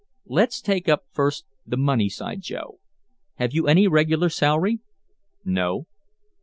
"Let's take up first the money side, Joe. Have you any regular salary?" "No."